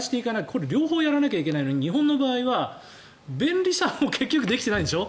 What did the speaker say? これ両方やらないといけないのに日本の場合は便利さも結局できてないでしょ。